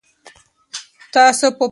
تاسو په پښتو ژبه لیکنه کول خوښوئ؟